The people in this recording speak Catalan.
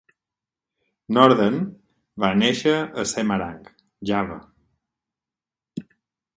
Norden va néixer a Semarang, Java.